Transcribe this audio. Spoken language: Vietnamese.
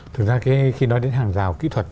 thực ra khi nói đến hàng giao kỹ thuật